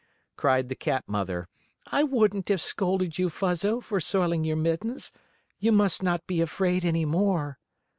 cried the cat mother. "I wouldn't have scolded you, Fuzzo, for soiling your mittens. You must not be afraid any more."